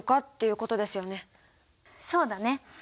そうだね。